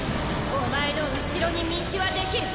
お前の後ろに道はできる。